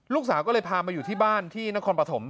ลูกสาวก็เลยพามาอยู่ที่บ้านที่นครปฐม